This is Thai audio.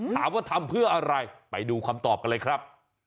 ทำเพื่ออะไรไปดูคำตอบกันเลยครับ